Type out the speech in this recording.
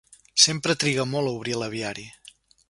Sempre triga molt a obrir l'aviari.